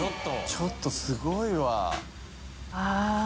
ちょっとすごいわ。